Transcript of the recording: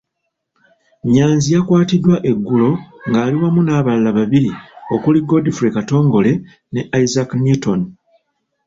Nyanzi yakwatiddwa eggulo nga ali wamu n'abalala babiri okuli Godfrey Katongole ne Isaac Newton.